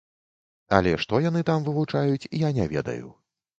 Але што яны там вывучаюць, я не ведаю.